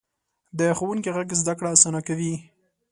د ښوونکي غږ زده کړه اسانه کوي.